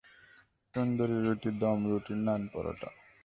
তন্দুরি রুটি, দম রুটি, নান, পরাটা।